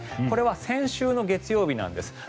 これは先週の月曜日なんです。